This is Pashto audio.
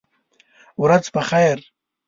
ورځ په خیر !